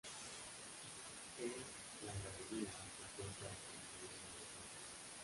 El la gradería se encuentra detrás de uno de los arcos.